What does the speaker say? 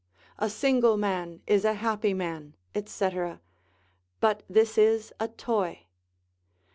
a single man is a happy man, &c., but this is a toy.